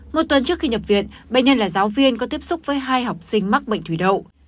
một tuần trước khi nhập viện bệnh nhân là giáo viên có tiếp xúc với hai học sinh mắc bệnh thủy đậu